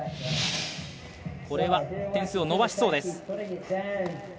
これは点数を伸ばしそうです。